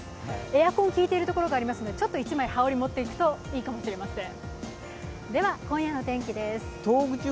エアコン効いているところがあるので、羽織り物を１枚持っていくといいかもしれません。